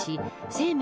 生命